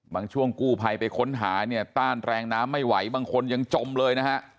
ช่วงกู้ภัยไปค้นหาเนี่ยต้านแรงน้ำไม่ไหวบางคนยังจมเลยนะฮะ